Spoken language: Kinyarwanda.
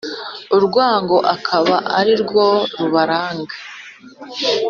Urwango rukaba ari rwo rubaranga